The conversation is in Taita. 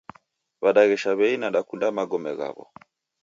Wadaghesha wei nadakunda magome ghaw'o